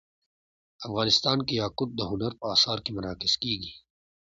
افغانستان کې یاقوت د هنر په اثار کې منعکس کېږي.